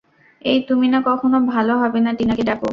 এই তুমি না কখনো ভালো হবে না টিনাকে ডাকো।